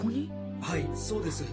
はいそうです。